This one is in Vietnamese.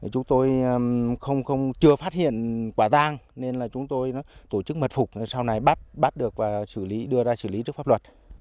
chúng tôi chưa phát hiện quả giang nên chúng tôi tổ chức mật phục sau này bắt được và đưa ra xử lý trước pháp luật